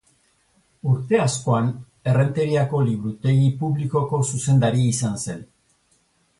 Urte askoan, Errenteriako liburutegi publikoko zuzendari izan zen.